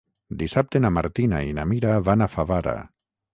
Dissabte na Martina i na Mira van a Favara.